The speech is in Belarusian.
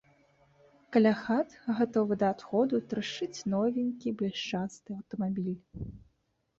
Каля хат, гатовы да адходу, трашчыць новенькі, блішчасты аўтамабіль.